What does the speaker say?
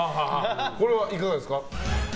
これはいかがですか？